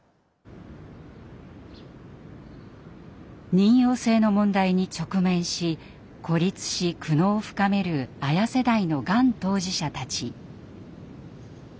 妊よう性の問題に直面し孤立し苦悩を深めるＡＹＡ世代のがん当事者たち。